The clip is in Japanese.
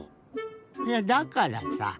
いやだからさ